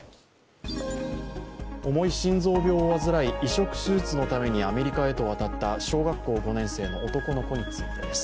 思い心臓病を患い移植手術のためにアメリカへと渡った小学校５年生の男の子についてです